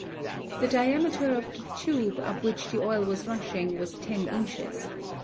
The diameter of the tube up which the oil was rushing was 10 inches.